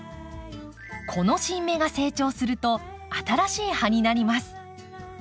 この新芽が成長すると新しい葉になります。